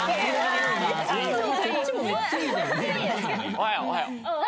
おはようおはよう。